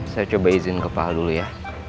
saya coba izin kepala dulu ya